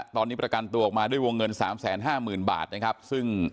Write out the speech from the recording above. ตอนนี้ประกันตัวออกมาด้วยวงเงินสามแสนห้าหมื่นบาทนะครับซึ่ง